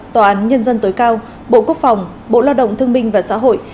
tòa án nhân dân tối cao bộ quốc phòng bộ lao động thương minh và xã hội